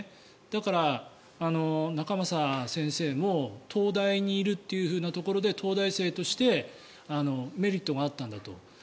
だから、仲正先生も東大にいるというふうなところで東大生としてメリットがあったんだと。